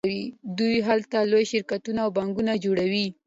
دوی هلته لوی شرکتونه او بانکونه جوړوي